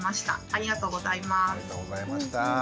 ありがとうございます。